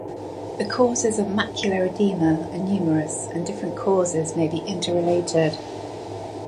The causes of macular edema are numerous and different causes may be inter-related.